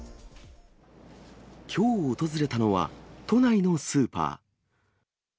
きょう訪れたのは、都内のスーパー。